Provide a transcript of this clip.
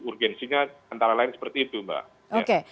urgensinya antara lain seperti itu mbak